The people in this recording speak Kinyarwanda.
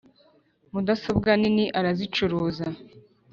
Mudasobwa nini arazicuruza.